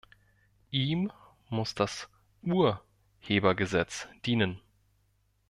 Ihm muss das Urhebergesetz dienen.